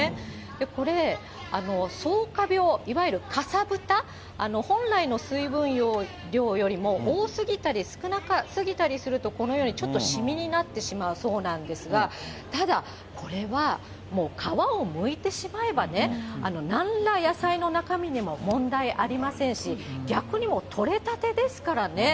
これ、そうか病、いわゆるかさぶた、本来の水分量よりも多すぎたり少なすぎたりすると、このようにちょっと、しみになってしまうそうなんですが、ただ、これはもう皮をむいてしまえばね、なんら野菜の中身にも問題ありませんし、逆にもう取れたてですからね。